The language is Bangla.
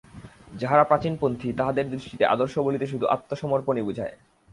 যাঁহারা প্রাচীনপন্থী, তাঁহাদের দৃষ্টিতে আদর্শ বলিতে শুধু আত্মসমর্পণই বুঝায়।